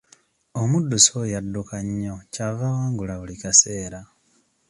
Omuddusi oyo adduka nnyo ky'ava awangula buli kaseera.